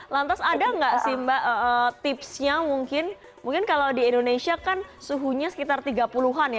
lantas ada nggak sih mbak tipsnya mungkin kalau di indonesia kan suhunya sekitar tiga puluh an ya